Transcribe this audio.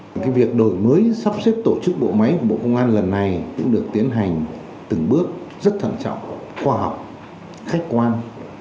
và cái việc đổi mới sắp xếp tổ chức bộ máy của bộ công an lần này cũng được tiến hành từng bước rất thận trọng khoa học khách quan